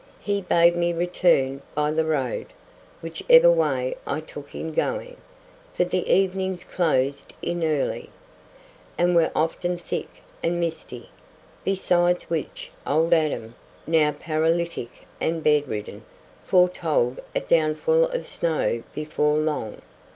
He bade me return by the road, whichever way I took in going, for the evenings closed in early, and were often thick and misty; besides which, old Adam, now paralytic and bedridden, foretold a downfall of snow before long.